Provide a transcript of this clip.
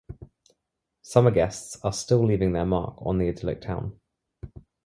Summer guests are still leaving their mark on the idyllic town.